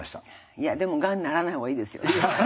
いやでもがんにならないほうがいいですよ。